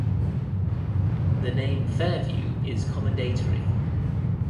The name Fairview is commendatory.